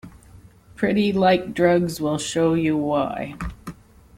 "Pretty Like Drugs" will show you why.